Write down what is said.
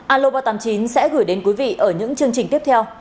aloba tám mươi chín sẽ gửi đến quý vị ở những chương trình tiếp theo